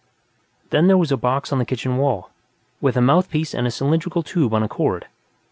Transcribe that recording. Then, there was a box on the kitchen wall, with a mouthpiece and a cylindrical tube on a cord.